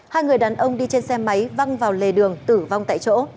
hai người đàn ông đi trên xe máy văng vào lề đường tử vong tại chỗ